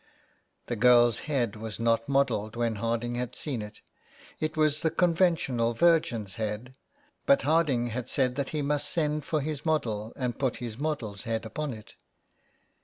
The girl's head was not modelled when Harding had seen it. It was the conventional Virgin's head, but Harding had said that he must send for his model and put his model's head upon it.